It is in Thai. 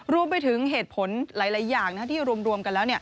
รวมไปถึงเหตุผลหลายอย่างที่รวมกันแล้ว